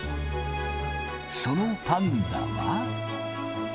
そのパンダは。